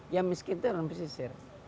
yang miskin itu orang pesisir